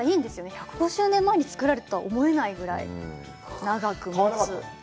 １５０年前に作られたと思えないぐらい長くもつと。